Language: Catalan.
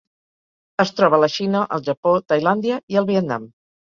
Es troba a la Xina, el Japó, Tailàndia i el Vietnam.